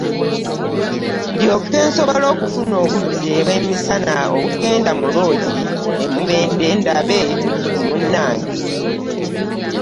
Ndyoke nsobole okufuna obudde bw'emisana obugenda mu loogi e Mubende, ndabe ku munnange!